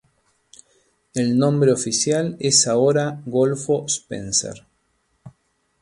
El nombre oficial es ahora golfo Spencer.